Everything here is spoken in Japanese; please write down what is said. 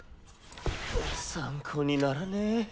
参考にならねぇ。